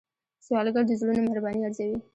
سوالګر د زړونو مهرباني ارزوي